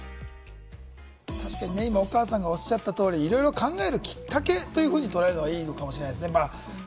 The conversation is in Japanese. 確かにね、お母さんがおっしゃった通り、いろいろ考えるきっかけというふうに捉えるのがいいのかもしれませんね。